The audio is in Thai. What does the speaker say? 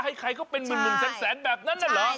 ให้ใครก็เป็นหมื่นแสนแบบนั้นน่ะเหรอ